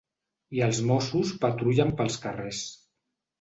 I els mossos patrullen pels carrers.